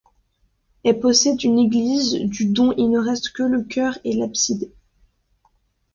Elle possède une église du dont il ne reste que le chœur et l'abside.